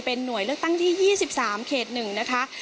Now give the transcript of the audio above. เป็นหน่วยลือกตั้งที่๒๓เคธ๑นะคะ